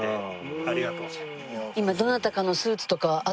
ありがとうございます。